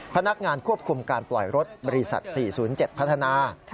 พนักงานควบคุมการปล่อยรถบริษัท๔๐๗พัฒนา